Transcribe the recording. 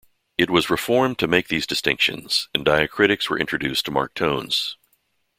It was reformed to make these distinctions, and diacritics were introduced to mark tones.